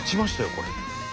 これ。